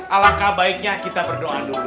alangkah baiknya kita berdoa dulu